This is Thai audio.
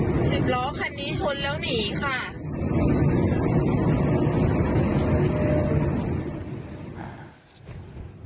สิบล้อคันนี้ชนแล้วหนีค่ะ